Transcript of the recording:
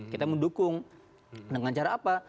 kita mendukung dengan cara apa